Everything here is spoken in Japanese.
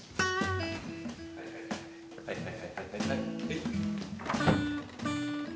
はいはいはいはい。